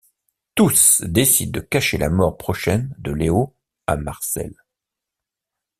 Tous décident de cacher la mort prochaine de Léo à Marcel.